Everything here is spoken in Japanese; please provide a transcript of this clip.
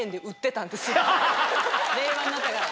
令和になったから。